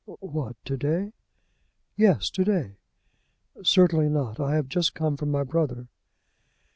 "What, to day?" "Yes, to day." "Certainly not. I have just come from my brother."